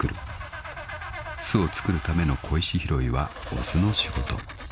［巣を作るための小石拾いは雄の仕事］